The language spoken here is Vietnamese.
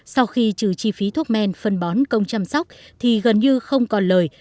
sau khi trừ chi phí thuốc men phân bón công chăm sóc thì gần như không còn lời